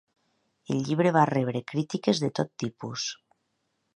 El llibre va rebre crítiques de tot tipus.